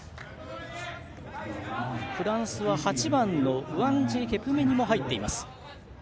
フランスは８番のウワンジケプメニも入っています。